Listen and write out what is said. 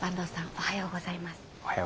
おはようございます。